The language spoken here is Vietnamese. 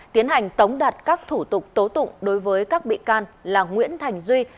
tiến hành tống đạt các thủ tục tố tụng đối với các bị can là nguyễn thành duy